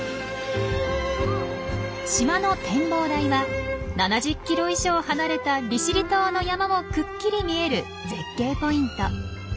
島の展望台は７０キロ以上離れた利尻島の山もくっきり見える絶景ポイント。